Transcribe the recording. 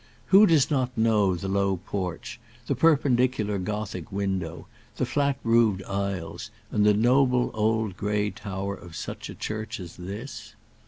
Who does not know the low porch, the perpendicular Gothic window, the flat roofed aisles, and the noble old gray tower of such a church as this?